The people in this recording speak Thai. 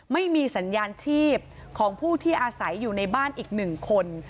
ไม่มีสัญญาณชีพของผู้ที่อาศัยอยู่ในบ้านอีกหนึ่งคน